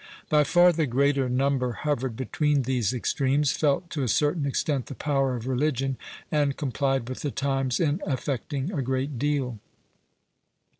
By far the greater number hovered between these extremes, felt to a certain extent the power of religion, and complied with the times in affecting a great deal.